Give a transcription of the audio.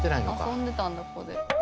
遊んでたんだここで。